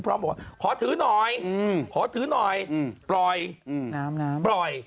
บอกว่าขอถือหน่อยขอถือหน่อยปล่อยน้ำน้ำปล่อย